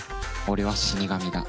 俺は死神だ。